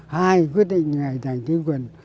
hai quyết định này trành chứng quyền